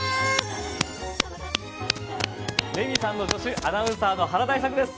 レミさんの助手アナウンサーの原大策です。